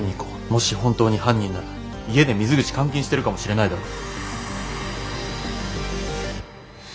もし本当に犯人なら家で水口監禁してるかもしれないだろ。